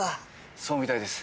そうみたいです。